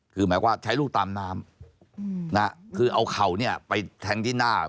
คือหมายว่าใช้ลูกตามน้ำคือเอาเข่าเนี่ยไปแทงที่หน้า